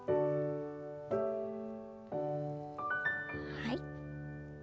はい。